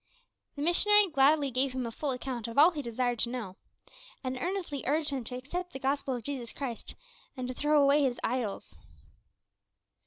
The missionary gladly gave him a full account of all he desired to know, and earnestly urged him to accept the Gospel of Jesus Christ, and to throw away his idols.